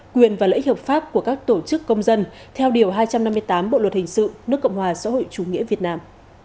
quyền và lợi ích hợp pháp của các tổ chức công dân theo điều hai trăm năm mươi tám bộ luật hình sự nước cộng hòa xã hội chủ nghĩa việt nam